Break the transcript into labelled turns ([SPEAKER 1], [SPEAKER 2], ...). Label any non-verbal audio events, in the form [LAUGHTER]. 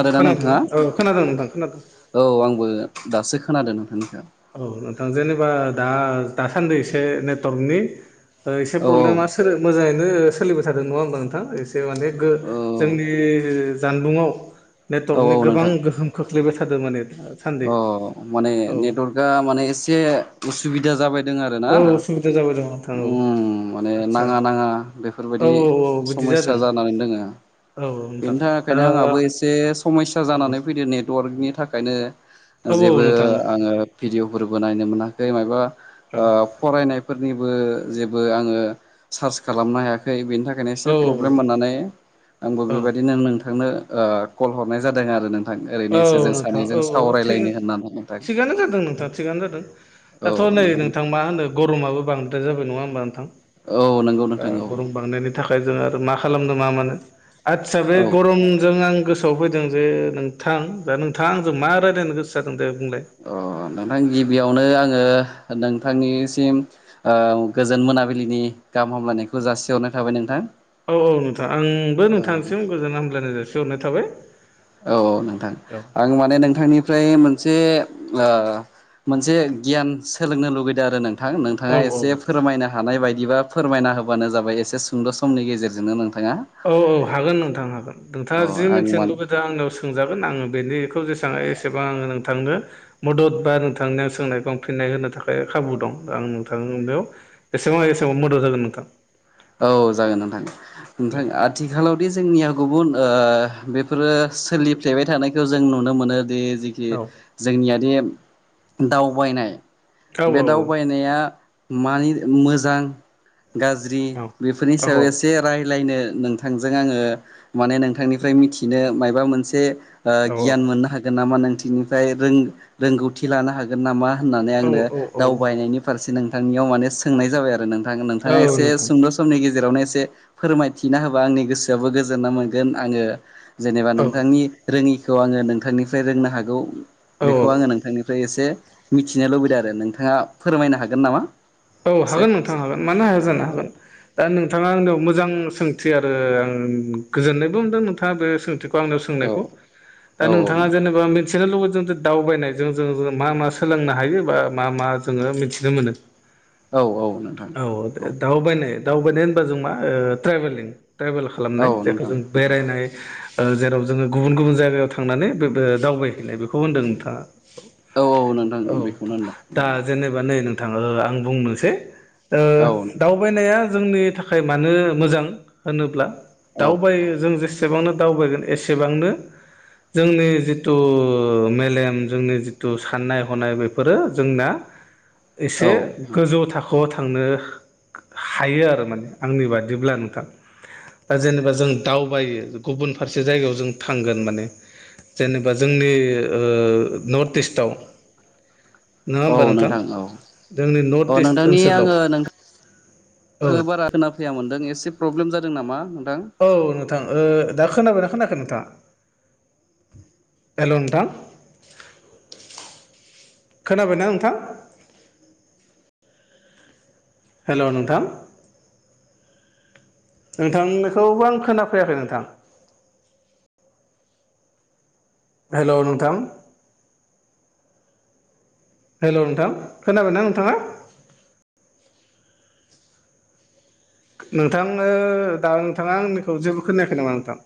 [SPEAKER 1] खोनदोंना नोंथाङा
[SPEAKER 2] खोनादोंना औ खोनादों नोंथां खोनादों
[SPEAKER 1] औ आंबो दासो खोनादों नोंथांनिखौ
[SPEAKER 2] औ नोंथां जेनेबा दा दासान्दि एसे नेटर्कनि एसे
[SPEAKER 1] औ
[SPEAKER 2] प्रब्लेमा मोजाङैनो सोलिबाय थादों नङा होनोमबा नोंथां एसे जे माने
[SPEAKER 1] औ
[SPEAKER 2] जोंनि जानबुंआव
[SPEAKER 1] औ
[SPEAKER 2] नेटवर्कनि
[SPEAKER 1] औ
[SPEAKER 2] गोबां
[SPEAKER 1] नोंथां
[SPEAKER 2] गोहोम खो सोलिबाय थादों माने। दासान्दि
[SPEAKER 1] अ माने
[SPEAKER 2] औ
[SPEAKER 1] नेटवर्का माने एसे उसुबिदा जाबाय आरोना
[SPEAKER 2] औ उसुबिदा जाबाय दं नोंथां औ
[SPEAKER 1] उम माने
[SPEAKER 2] आदसा
[SPEAKER 1] नाङा नाङा
[SPEAKER 2] औ
[SPEAKER 1] बेफोरबादि
[SPEAKER 2] औ
[SPEAKER 1] सफैदों।
[SPEAKER 2] बिदि
[SPEAKER 1] समयस्या
[SPEAKER 2] जादों
[SPEAKER 1] जानानै दोङो।
[SPEAKER 2] औ औ नोंथां
[SPEAKER 1] बेनि
[SPEAKER 2] ओ
[SPEAKER 1] थाखायनो आंहाबो एसे समस्या
[SPEAKER 2] औ
[SPEAKER 1] जानानै फैदो नेटवर्कनि। थाखायनो
[SPEAKER 2] औ औ
[SPEAKER 1] जेबो
[SPEAKER 2] नोंथां औ
[SPEAKER 1] आङो भिडिअ'फोरबो नायनो मोनाखै माबा।
[SPEAKER 2] औ
[SPEAKER 1] फरायनायफोरनिबो जेबो आङो सार्च खालामनो हायाखै बेनि थाखाय। नो एसे प्रब्लेम
[SPEAKER 2] औ
[SPEAKER 1] मोननानै आंबो
[SPEAKER 2] औ
[SPEAKER 1] बेबायदिनो नोंथांनो कल हरनाय जादों आरो नोंथां। आं
[SPEAKER 2] औ
[SPEAKER 1] ओरैनो एसे जों
[SPEAKER 2] नोंथां औ
[SPEAKER 1] सानैजों
[SPEAKER 2] औ
[SPEAKER 1] सावरायलायनो
[SPEAKER 2] थिग
[SPEAKER 1] होन्नानै।
[SPEAKER 2] थिगानो जादों नोंथां थिगानो जादों दाथ' नै नोंथां मा होनो गरमाबो बांदों दा जाबाय नङा होनबा नोंथां।
[SPEAKER 1] औ नंगौ
[SPEAKER 2] दा
[SPEAKER 1] नोंथां।
[SPEAKER 2] गरम बांनायनि थाखाय जों आरो मा खालामनो मा मानो आदसा बे
[SPEAKER 1] औ
[SPEAKER 2] गरमजों आं। गोसोआव फैदों जे नोंथां दा नोंथां आजों मा रायज्लायनो गोसो दे बुंलाय
[SPEAKER 1] अ' नोंथां गिबियावनो आङो। ओ नोंथांनिसिम ओ गोजोन मोनाबिलिनि गाहाम हामलायनायखौ जासि थाबाय नोंथां।
[SPEAKER 2] औ औ नोंथां आंबो
[SPEAKER 1] औ
[SPEAKER 2] नोंथांसिम गोजोन हामलायनाय जासि हरनाय थाबाय।
[SPEAKER 1] औ औ नोंथां
[SPEAKER 2] औ
[SPEAKER 1] आं
[SPEAKER 2] नोंथां
[SPEAKER 1] माने नोंथांनिफ्राय मोनसे ओ मोनसे गियान सोलोंनो लुुबैदों आरो नोंथां
[SPEAKER 2] औ
[SPEAKER 1] नोंथाङा एसे
[SPEAKER 2] औ
[SPEAKER 1] फोरमायनो हानाय बायदि बिदिबा फोरमायना होबानो जाबाय एसे सुंद' समनि गेजेरजोंनो नोंथां।
[SPEAKER 2] औ औ हागोन नोंथां हागोन
[SPEAKER 1] अ
[SPEAKER 2] नोंथाङा जि
[SPEAKER 1] आं
[SPEAKER 2] मिथिनो
[SPEAKER 1] मान
[SPEAKER 2] लुबैदों आंनियाव सोंजागोन आङो बेनि जसेबां हायो एसेबां नोंथांनो मदद बा नोंथांनि आं सोंनायखौ आं फिननाय होनो थाखाय खाबु दं आं नोंथां बेयाव बेसेबां एसेबां मोदां जागोन नोंथां।
[SPEAKER 1] औ जागोन नोंथां नोंथां आथिखालावदि जोंनियाव गुबुन ओ बेफोरो सोलिफ्लेबाय थानायखौ जों नुनो मोनोदि जिखि
[SPEAKER 2] औ
[SPEAKER 1] जोंनियाद दावबायनाय
[SPEAKER 2] औ
[SPEAKER 1] बे
[SPEAKER 2] औ
[SPEAKER 1] दावबायनाया मानि मोजां गाज्रि
[SPEAKER 2] औ
[SPEAKER 1] बेफोरनि सायाव एसे रायलायनो नोंथांजों आङो माने नोंथांनिफ्राय मिथिनो मायबा मोनसे ओ गियान मोननो हागोन नामा नोंथिनिफ्राय रों-रोंगौथि लानो हागोन नामा होननानै आंनो
[SPEAKER 2] औ औ
[SPEAKER 1] दावबायनायनि फारसे नोंथांनियाव माने सोंनाय जाबाय आरो नों थां
[SPEAKER 2] औ
[SPEAKER 1] नोंथाङा
[SPEAKER 2] औ
[SPEAKER 1] एसे
[SPEAKER 2] नोंथां
[SPEAKER 1] सुंद' समनि गेजेरावनो एसे फोरमायथिना होबा आंनि गोसोआवबो गोजोननाय मोनगोन आङो जेनेबा
[SPEAKER 2] औ
[SPEAKER 1] नोंथांनि रोङिखौ आङो नोंथांनिफ्राय रोंनो हागौ
[SPEAKER 2] औ
[SPEAKER 1] बेखौ
[SPEAKER 2] औ
[SPEAKER 1] आङो नोंथांनिफ्राय एसे मिथिनो लुबैदों आरो नोंथाङा फोरमायनो हागोन नामा
[SPEAKER 2] औ
[SPEAKER 1] एसे?
[SPEAKER 2] हागोन नोंथां हागोन मानो हाया जानो हागोन दा नोंथाङा आंनियाव मोजां सोंथि आरो आं गोजोननायबो मोनदों नोंथाङा बे सोंथिखौ आंनियाव
[SPEAKER 1] औ
[SPEAKER 2] सोंनायखौ दा
[SPEAKER 1] औ
[SPEAKER 2] नोंथाङा जेनेबा मिथिनो लुबैदों दावबायनायजों जों मा मा सोलोंनो हायो बा मा मा जोङो मिथिनो मोनो
[SPEAKER 1] औ नोंथां
[SPEAKER 2] औ दाउ बायनाय दावबायनाय होनबा जों मा ट्रेभेलिं ट्रेभेल
[SPEAKER 1] औ
[SPEAKER 2] खालामनाय जायखौ जों
[SPEAKER 1] नोंथां
[SPEAKER 2] बेरायनाय ओ जेराव जोङो गुबुन गुबुन जायगायाव थांनानै बै बे दावबायहैनाय बेखौ होनदों नोंथाङा
[SPEAKER 1] औ नोंथां औ औ नोंथां
[SPEAKER 2] औ
[SPEAKER 1] बेखौनो होनदों
[SPEAKER 2] दा जेनेबा नै नों ओ बुंनोसै ओ
[SPEAKER 1] औ
[SPEAKER 2] दावबायनाया जोंनि थाखाय मानो मोजां होनोब्ला
[SPEAKER 1] औ
[SPEAKER 2] दावबाय जों जेसे एसेबांनो दावबायगोन एसेबांनो जोंनि जिथु मेलेम जोंनि जिथु साननाय हनाय बेफोरो जोंना
[SPEAKER 1] [INAUDIBLE]
[SPEAKER 2] एसे गोजौ थाखोआव थांनो हायो आरो माने आंनि बादिब्ला नोंथां दा जेनेबा जों दावबायो गुबुन फारसे जायगायाव जों थांगोन माने जेनेबा जोंनि ओ नर्थ इस्टआव नङा
[SPEAKER 1] औ
[SPEAKER 2] होमबा
[SPEAKER 1] नोंथां औ
[SPEAKER 2] जोंनि
[SPEAKER 1] अ
[SPEAKER 2] नर्थ इस्ट
[SPEAKER 1] नोंथांनि
[SPEAKER 2] ओनसोलाव
[SPEAKER 1] आङो
[SPEAKER 2] औ
[SPEAKER 1] नोंथांखौ बारा खोनाफैया मोनदों एसे प्र प्रब्लेम जादों नामा नोंथां?
[SPEAKER 2] औ नोंथां ओ दा खोनाबायना खोनाखै नोंथाङा एल' नोंथां खोनाबायना नोंथां हेल' नोंथां नोंथां बेखौबो आं खोनाफैखै नोंथां हेल' नोंथां हेल' नोंथां खोनाबायना नोंथाङा नोंथांनो दा नोंथाङा आंनिखौ जेबो खोनायाखै नामा नोंथां